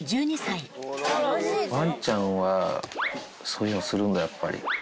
ワンちゃんはそういうのするんだ、やっぱり。